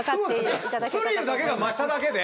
スリルだけが増しただけで。